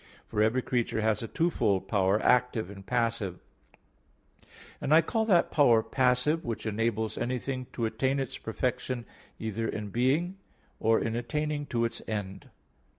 For every creature has a twofold power, active and passive; and I call that power passive which enables anything to attain its perfection either in being, or in attaining to its end.